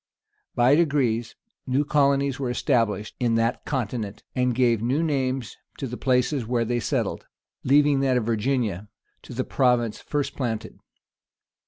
[] By degrees, new colonies were established in that continent, and gave new names to the places where they settled, leaving that of Virginia to the province first planted.